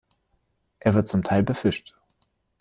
Er wird zum Teil befischt.